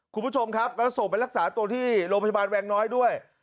คุณผู้ชมครับก็ส่งไปรักษาตัวที่โรงพยาบาลแวงน้อยด้วย